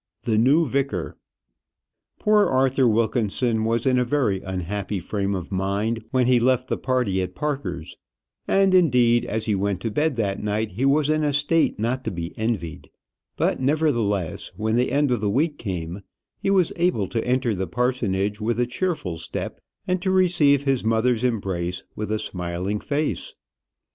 THE NEW VICAR. Poor Arthur Wilkinson was in a very unhappy frame of mind when he left the party at Parker's, and, indeed, as he went to bed that night he was in a state not to be envied; but, nevertheless, when the end of the week came, he was able to enter the parsonage with a cheerful step, and to receive his mother's embrace with a smiling face.